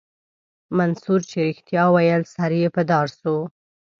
منصور چې رښتيا ويل سر يې په دار سو.